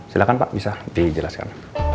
silahkan pak bisa dijelaskan